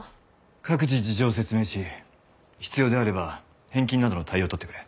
各自事情を説明し必要であれば返金などの対応を取ってくれ。